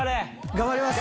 頑張ります！